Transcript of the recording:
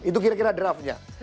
itu kira kira draftnya